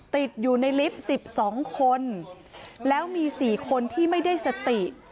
ติดอยู่ในลิฟต์๑๒คนแล้วมี๔คนที่ไม่ได้สติ